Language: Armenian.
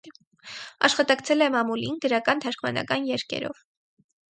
Աշխատակցել է մամուլին գրական, թարգմանական երկերով։